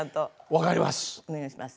分かります。